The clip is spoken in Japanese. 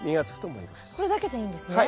これだけでいいんですね。